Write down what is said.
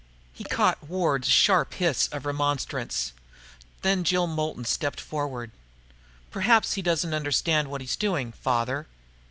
He caught Ward's sharp hiss of remonstrance. Then Jill Moulton stepped forward. "Perhaps he doesn't understand what he's doing, Father."